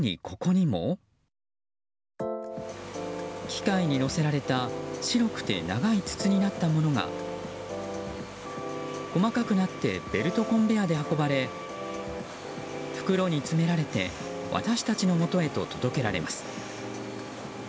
機械に載せられた白くて長い筒になったものが細かくなってベルトコンベヤーで運ばれ袋に詰められて私たちのもとへと届けられます。